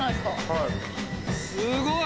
はい。